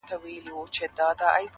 یار په مینه کي هم خوی د پښتون غواړم,